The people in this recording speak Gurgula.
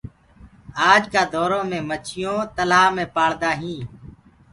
آج ڪآ دورو مي مڇيونٚ تلهآ مي پآݪدآ هينٚ